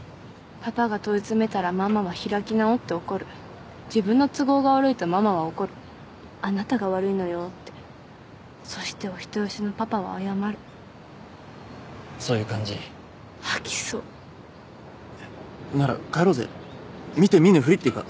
パパが問い詰めたらママは開き直って自分の都合が悪いとママは怒るあなたが悪いのよってそしてお人よしのパパは謝るそういう感じ吐きそうなら帰ろうぜ見て見ぬふりっていうか